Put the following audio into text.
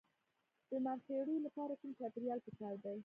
د مرخیړیو لپاره کوم چاپیریال پکار دی؟